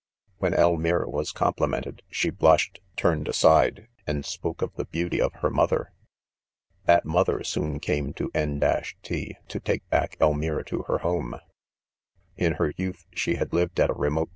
c When Elmire was complimented, she blush ed, turned aside, and spoke of the beauty of her mother. ' That mother soon came to M 1, to take back Elmire to her home. : In her youth she had lived at a remote